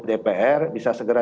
dpr bisa segera